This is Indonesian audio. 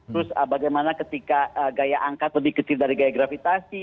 terus bagaimana ketika gaya angkat lebih kecil dari gaya gravitasi